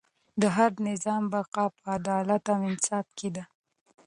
د هر نظام بقا په عدالت او انصاف کې ده.